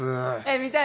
見たい。